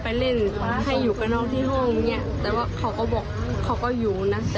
แต่ว่าเขาก็บอกเขาก็อยู่นะแต่วันนี้เรียกว่าเขามีอยู่